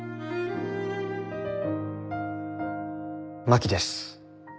真木です。